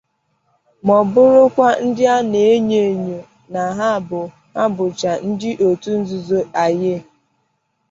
ma bụrụkwa ndị a na-enyo ènyò na ha bụcha ndị otu nzuzo Aiye